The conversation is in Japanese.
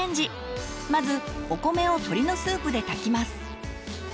まずお米を鶏のスープで炊きます。